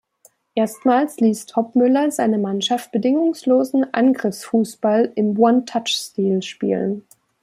Damals ließ Toppmöller seine Mannschaft bedingungslosen Angriffsfußball im „One Touch“-Stil spielen.